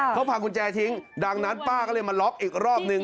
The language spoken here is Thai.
เขาพากุญแจทิ้งดังนั้นป้าก็เลยมาล็อกอีกรอบนึง